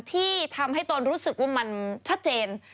ที่ทำให้ตนรู้สึกว่ามันชัดเจน